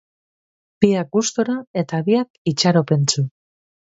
Biak gustora eta biak itxaropentsu.